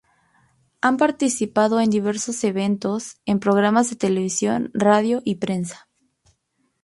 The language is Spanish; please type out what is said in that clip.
Han participado en diversos eventos en programas de televisión, radio y prensa.